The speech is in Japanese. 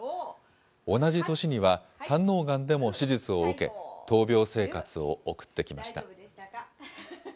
同じ年には、胆のうがんでも手術を受け、闘病生活を送ってきました。